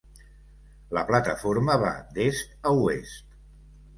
La plataforma va d'est a oest.